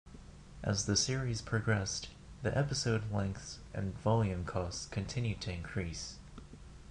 As the series progressed, the episode lengths and volume costs continued to increase.